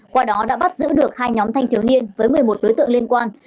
qua đó đã bắt giữ được hai nhóm thanh thiếu niên với một mươi một đối tượng liên quan